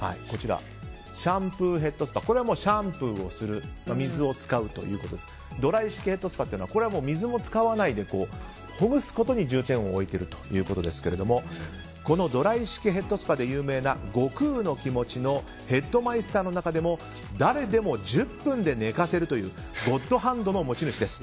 シャンプーヘッドスパこれはシャンプーをする水を使うということですがドライ式ヘッドスパは水も使わないでほぐすことに重点を置いているということですけれどもこのドライ式ヘッドスパで有名な悟空のきもちのヘッドマイスターの中でも誰でも１０分で寝かせるというゴッドハンドの持ち主です。